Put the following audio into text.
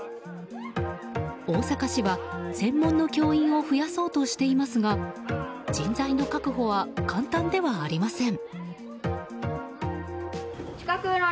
大阪市は、専門の教員を増やそうとしていますが人材の確保は簡単ではありません。